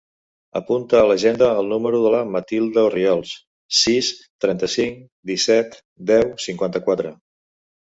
Apunta a l'agenda el número de la Matilda Orriols: sis, trenta-cinc, disset, deu, cinquanta-quatre.